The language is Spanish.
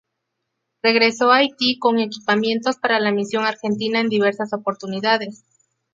Regresó a Haití con equipamientos para la misión argentina en diversas oportunidades.